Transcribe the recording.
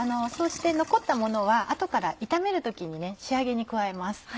そうして残ったものは後から炒める時に仕上げに加えます。